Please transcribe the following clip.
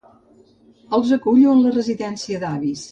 Els acullo en la residència d'avis.